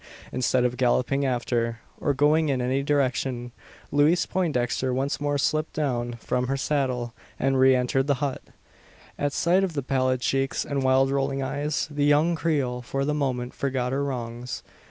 Instead of galloping after, or going in any direction, Louise Poindexter once more slipped down from her saddle, and re entered the hut. At sight of the pallid cheeks and wild rolling eyes, the young Creole for the moment forgot her wrongs.